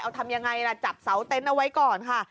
เอาทำยังไงล่ะจับเสาเต็นต์เอาไว้ก่อนค่ะ